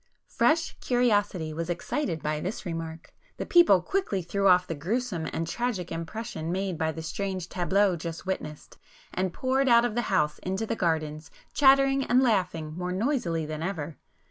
Fresh curiosity was excited by this remark; the people quickly threw off the gruesome and tragic impression made by the strange 'tableaux' just witnessed,—and poured out of the house into the gardens chattering and laughing more [p 280] noisily than ever.